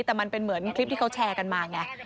แต่มันเป็นเหมือนคลิปที่เขาแชร์กันมาไง